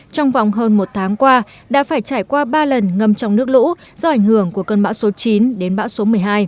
trong vòng hơn một tháng qua đã phải trải qua ba lần ngâm trong nước lũ do ảnh hưởng của cơn bão số chín đến bão số một mươi hai